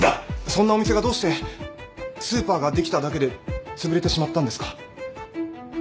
そんなお店がどうしてスーパーができただけでつぶれてしまったんですか？